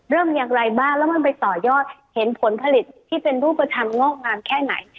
เริ่มอย่างไรบ้างแล้วมันไปต่อยอดเห็นผลผลิตที่เป็นรูปธรรมงอกงามแค่ไหน